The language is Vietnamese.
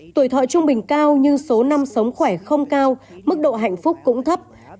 tuổi thọ trung bình cao nhưng số năm sống khỏe không cao mức độ hạnh phúc cũng thấp